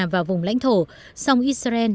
và vùng lãnh thổ song israel